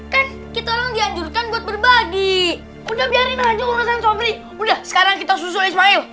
kan kita orang dianjurkan buat berbagi udah biarin aja urusan suami udah sekarang kita susul ismail